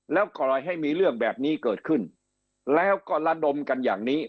แล้วปล่อยให้มีเรื่องแบบนี้เกิดขึ้นแล้วก็ระดมกันอย่างนี้